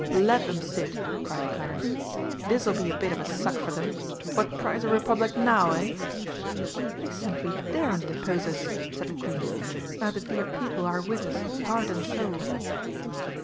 "Let 'em sit!" cried Clarence. "This'll be a bit of a suck for them. What price a Republic now, eh?" "They simply daren't depose us!" said the Queen, "now the dear people are with us heart and soul!"